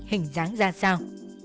hình dáng ra sao